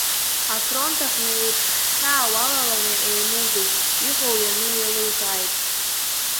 Афронт аҟны еиԥш ҳҳәаа уалаланы еимудеит, иҟоу-иану еилукааит.